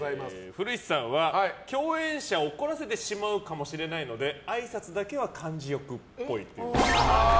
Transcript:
古市さんは共演者を怒らせてしまうかもしれないのであいさつだけは感じよくっぽい。